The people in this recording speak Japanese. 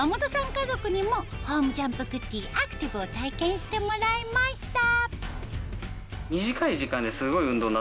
家族にもホームジャンプグッデイアクティブを体験してもらいました